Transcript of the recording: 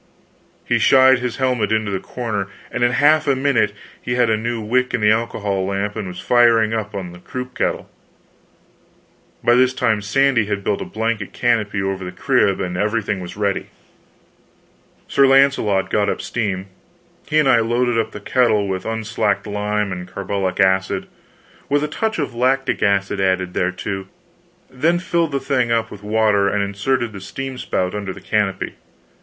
He shied his helmet into the corner, and in half a minute he had a new wick in the alcohol lamp and was firing up on the croup kettle. By this time Sandy had built a blanket canopy over the crib, and everything was ready. Sir Launcelot got up steam, he and I loaded up the kettle with unslaked lime and carbolic acid, with a touch of lactic acid added thereto, then filled the thing up with water and inserted the steam spout under the canopy.